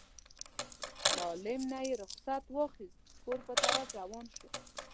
له عالم نه یې رخصت واخیست کور په طرف روان شو.